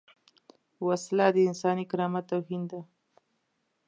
وسله د انساني کرامت توهین ده